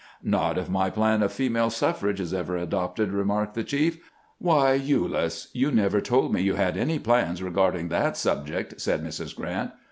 " Not if my plan of female suffrage is ever adopted," re marked the chief. "Why, Ulyss, you never told me you had any plans regarding that subject," said Mrs. Grrant.